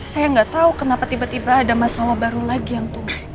saya nggak tahu kenapa tiba tiba ada masalah baru lagi yang tumbuh